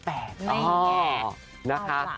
นั่งแหง